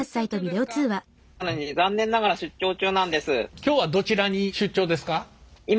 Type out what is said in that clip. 今日はどちらに出張ですか？